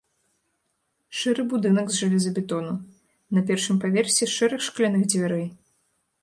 Шэры будынак з жалезабетону, на першым паверсе шэраг шкляных дзвярэй.